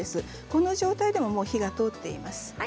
この状態でも火が通っています。